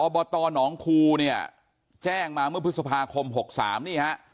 บตหนองคูเนี่ยแจ้งมาเมื่อพฤษภาคม๖๓นี่ฮะ